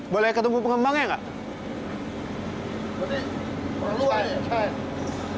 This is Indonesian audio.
boleh ketemu pengembangnya gak